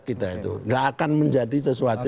kita itu nggak akan menjadi sesuatu